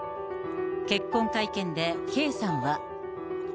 結婚会見で圭さんは。